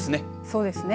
そうですね。